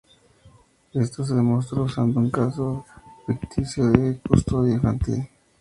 Esto se demostró usando un caso ficticio de custodia infantil.